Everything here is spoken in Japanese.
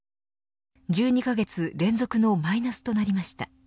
１２カ月連続のマイナスとなりました。